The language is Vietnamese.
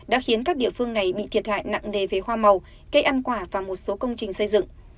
đã khiến các địa phương này bị thiệt hại nặng nề về hoa màu cây ăn quả và một số công trình xây dựng